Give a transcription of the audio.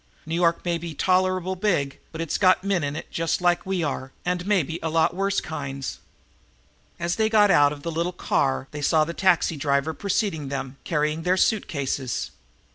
New York may be tolerable big, but it's got men in it just like we are, and maybe a lot worse kinds." As they got out of the little car they saw that the taxi driver had preceded them, carrying their suit cases.